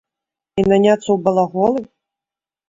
І наняцца ў балаголы?